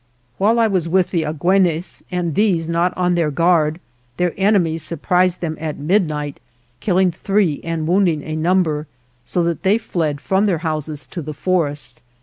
While I was with the Agitenes and these not on their guard, their enemies surprised them at midnight, killing three and wound ing a number, so that they fled from their houses to the forest.